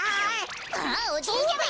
あっおじいちゃま。